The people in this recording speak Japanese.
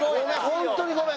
ホントにごめん。